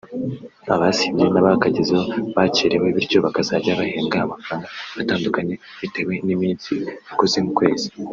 abasibye n’bakagezeho bakerewe bityo bakazajya bahembwa amafaranga atandukanye bitewe n’iminsi bakoze mu kwezi